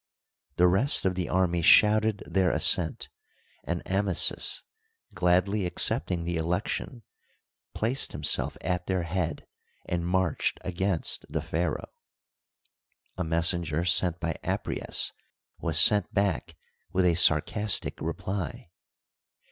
The rest of the army shouted their assent, and Amasis, gladly acceptlng~the election, placed himself at their head and marched against the pharaoh. A messenger sent by Apries was sent back with a sarcastic reply.